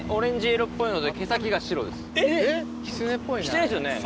キツネですよね。